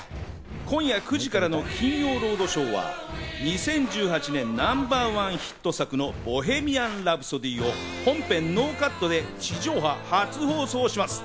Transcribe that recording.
今夜９時からの『金曜ロードショー』は２０１８年ナンバーワンヒット作の『ボヘミアン・ラプソディ』を本編ノーカットで地上波初放送します。